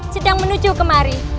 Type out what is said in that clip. sedang menuju kemari